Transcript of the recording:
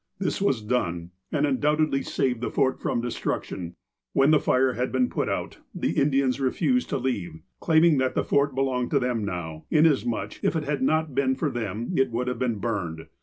This was done, and undoubt edly saved the Fort from destructioii. When the fire had been put out, the Indians refused to leave, claiming that the Fort belonged to them now, inasmuch as, if it had not been for them, it would have been burned.